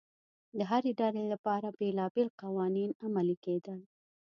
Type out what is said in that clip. د هرې ډلې لپاره بېلابېل قوانین عملي کېدل